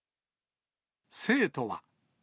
生徒は。